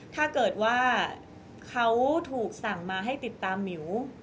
ถ้าเกิดว่าเขาถูกสั่งมาให้ติดตามหมิว